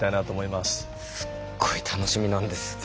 すっごい楽しみなんです。